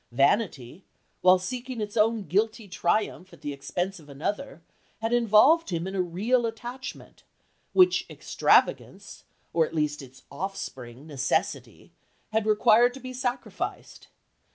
Vanity, while seeking its own guilty triumph at the expense of another, had involved him in a real attachment, which extravagance, or at least its offspring necessity, had required to be sacrificed.